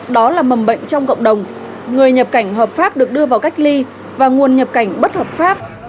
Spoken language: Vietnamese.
đó là mầm bệnh trong cộng đồng người nhập cảnh hợp pháp được đưa vào cách ly và nguồn nhập cảnh bất hợp pháp